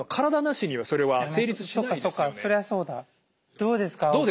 どうですか？